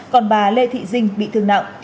còn bà lê thị dinh bị thương nặng